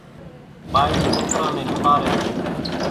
ٻائِي سوڪران نين ۿنڀاريَ سي۔